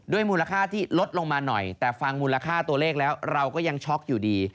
มูลค่าที่ลดลงมาหน่อยแต่ฟังมูลค่าตัวเลขแล้วเราก็ยังช็อกอยู่ดี